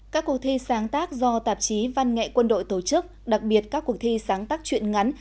các cuộc thi sáng tác do tạp chí văn nghệ quân đội tổ chức đặc biệt các cuộc thi sáng tác chuyện ngắn